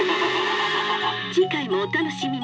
「次回もお楽しみに」。